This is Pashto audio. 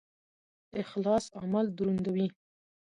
اخلاص عمل دروندوي